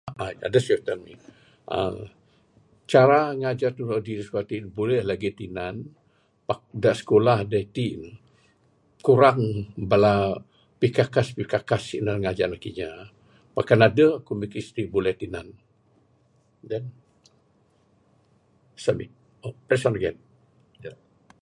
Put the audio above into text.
Aight, edeh certain ni, uhh cara ngajar Giology de sekulah tik, buleh legi tinan, pak de sekulah de itik ne, kurang bala pikekas-pikekas tinan ngajar nak kinya. Pak kan ne edeh, ku mikir sitik buleh tinan.